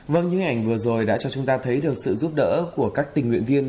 vâng những hình ảnh vừa rồi đã cho chúng ta thấy được sự giúp đỡ của các tình nguyện viên